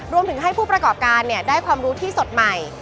รวมถึงให้ผู้ประกอบการได้ความรู้ที่สดใหม่